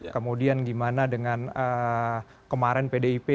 kemudian gimana dengan kemarin pdip